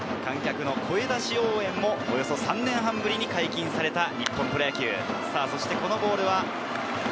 観客の声出し応援も３年半ぶりに再開された日本プロ野球。